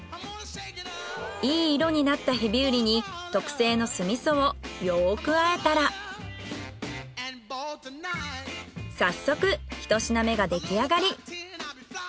いい色になったヘビウリに特製の酢味噌をよく和えたら早速ひと品目が出来上がり。